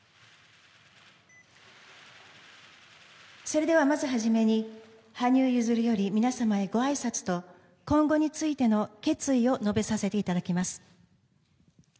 それでは、まずはじめに羽生結弦より皆様へごあいさつと今後についての決意を述べさせていただきます。